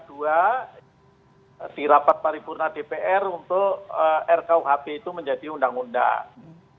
di rapat paripurna dpr untuk rkuhp itu menjadi undang undang